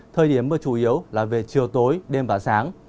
thời điểm mưa chủ yếu là về chiều tối đêm và sáng